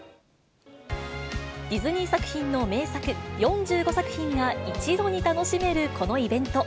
ディズニー作品の名作、４５作品が一度に楽しめるこのイベント。